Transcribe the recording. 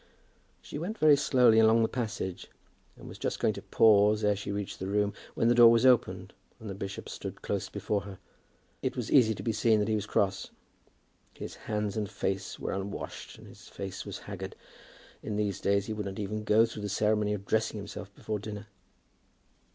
She went very slowly along the passage, and was just going to pause ere she reached the room, when the door was opened and the bishop stood close before her. It was easy to be seen that he was cross. His hands and face were unwashed and his face was haggard. In these days he would not even go through the ceremony of dressing himself before dinner.